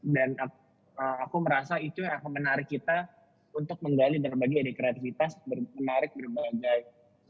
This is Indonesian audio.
dan aku merasa itu yang akan menarik kita untuk menggali berbagai ide kreatifitas menarik berbagai